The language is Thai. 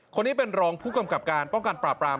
คนนี้เป็นรองผู้กำกับการป้องกันปราบราม